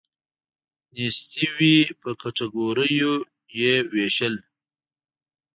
نیستي وی په کټګوریو یې ویشل.